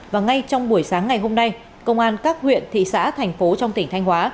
và ngay trong buổi sáng ngày hôm nay công an các huyện thị xã thành phố trong tỉnh thanh hóa